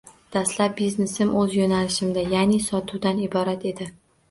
Dastlab, biznesim oʻz yoʻnalishimda, yaʼni sotuvdan iborat edi.